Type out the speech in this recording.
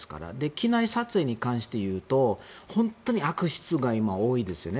機内撮影に関して言うと本当に悪質が多いですよね。